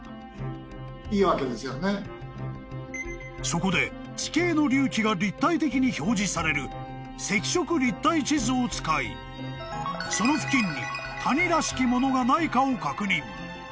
［そこで地形の隆起が立体的に表示される赤色立体地図を使いその付近に谷らしきものがないかを確認］